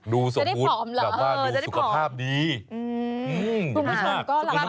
ดูสมพุทธแบบว่าดูสุขภาพดีอืมดูสมพุทธแบบว่าดูสุขภาพดี